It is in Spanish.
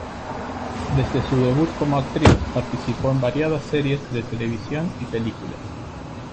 Desde su debut como actriz participó en variadas series de televisión y películas.